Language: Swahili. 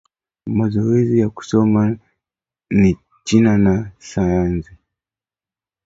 Mazowezi ya kusoma ni china ya sayansa